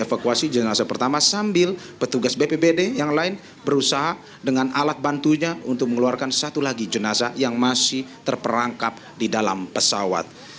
dan kita akan menerima informasi jenazah pertama sambil petugas bpbd yang lain berusaha dengan alat bantunya untuk mengeluarkan satu lagi jenazah yang masih terperangkap di dalam pesawat